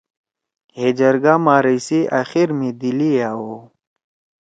ہے جرگہ مارچ سی آخر می دلی ئے آوَؤ